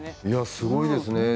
いや、すごいですね。